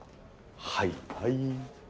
はいはい。